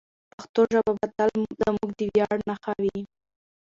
پښتو ژبه به تل زموږ د ویاړ نښه وي.